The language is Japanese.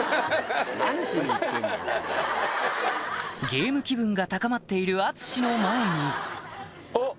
ゲーム気分が高まっている淳の前にあっ！